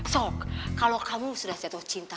sok kalau kamu sudah jatuh cinta